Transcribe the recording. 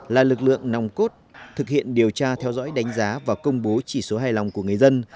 là lực lượng nòng cốt thực hiện điều tra theo dõi đánh giá và công bố chỉ số hài lòng của người dân